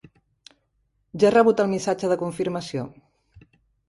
Ja he rebut el missatge de confirmació.